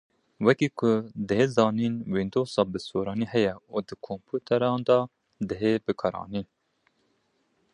Wekî ku dihê zanîn Wîndowsa bi soranî heye û di kompûteran da dihê bikaranîn.